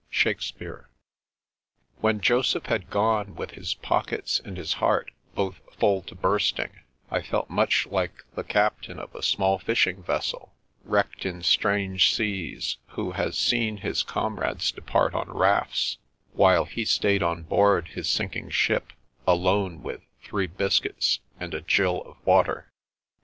''^— Shakupiare. When Joseph had gone, with his pockets and his heart both full to bursting, I felt much like the captain of a small fishing vessel, wrecked in strange seas, who has seen his comrades depart on rafts, while he stayed on board his sinking ship alone with three biscuits and a gill of water.